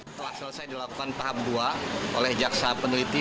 setelah selesai dilakukan tahap dua oleh jaksa peneliti